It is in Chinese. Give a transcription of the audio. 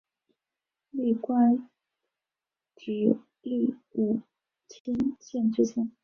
历官直隶武清县知县。